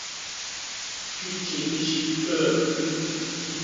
Шъуипчэдыжь шӏу!